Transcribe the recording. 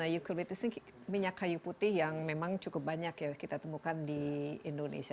eukritis ini minyak kayu putih yang memang cukup banyak ya kita temukan di indonesia